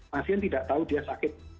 pasien tidak tahu dia sakit